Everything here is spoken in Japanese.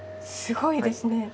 すごいですね。